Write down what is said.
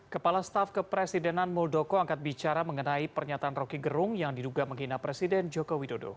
kepala staf kepresidenan muldoko angkat bicara mengenai pernyataan roky gerung yang diduga menghina presiden joko widodo